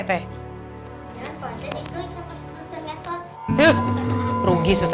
udah pak ceta itu sama susu susu